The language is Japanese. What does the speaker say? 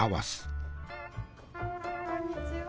こんにちは。